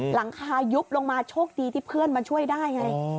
หลังคายุบลงมาโชคดีที่เพื่อนมาช่วยได้ไง